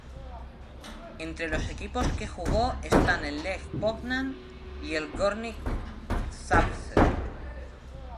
Entre los equipos que jugó están el Lech Poznań y el Górnik Zabrze.